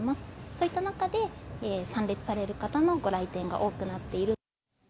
そういった中で、参列される方のご来店が多くなっている。